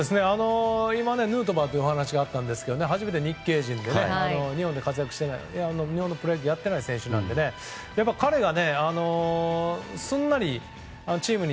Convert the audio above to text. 今、ヌートバーというお話があったんですが初めて日系人で日本で活躍していない日本のプロ野球でやっていない選手なので彼がすんなりチームに。